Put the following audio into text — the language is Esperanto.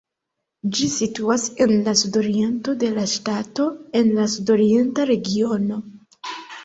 Ĝi situas en la sudoriento de la ŝtato en la Sudorienta regiono.